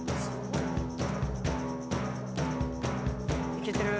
「いけてる！」